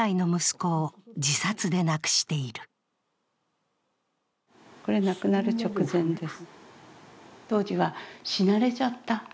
これ亡くなる直前です。